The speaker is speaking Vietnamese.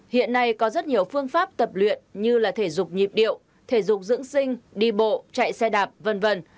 hiện nay có rất nhiều phương pháp tập luyện như là thể dục nhịp điệu thể dục dưỡng sinh đi bộ chạy xe đạp v v